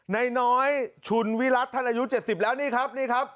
ในน้อยชุดวิลัสทรายุเจ็ดสิบแล้วนี่ครับนี่ครับ